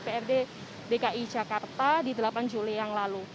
dprd dki jakarta di delapan juli yang lalu